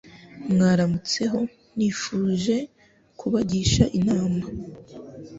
Mwaramutseho nifuje kubagisha inama,